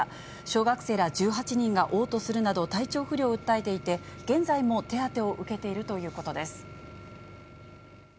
小学生ら１８人がおう吐するなど、体調不良を訴えていて、現在も手当てを受けているということです。